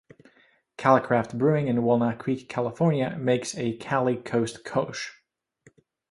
CaliCraft Brewing in Walnut Creek, Ca, makes a Cali Coast Kolsch.